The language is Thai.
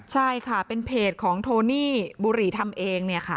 ใช่ค่ะเป็นเพจของโทนี่บุหรี่ทำเอง